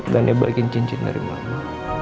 dan nembakin cincin dari mama